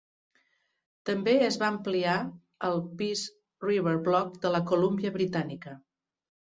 També es va ampliar al Peace River Block de la Colúmbia Britànica.